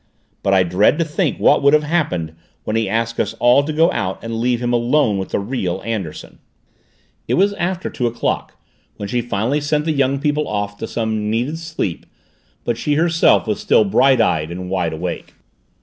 But I dread to think what would have happened when he asked us all to go out and leave him alone with the real Anderson!" It was after two o'clock when she finally sent the young people off to get some needed sleep but she herself was still bright eyed and wide awake.